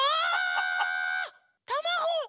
たまご！